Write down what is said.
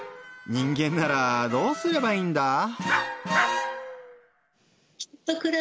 人間ならどうすればいいんだぁ？